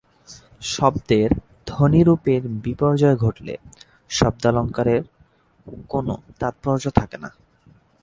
শব্দের ধ্বনিরূপের বিপর্যয় ঘটলে শব্দালঙ্কারের কোনো তাৎপর্য থাকে না।